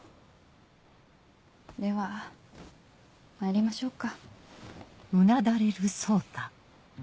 ではまいりましょうか。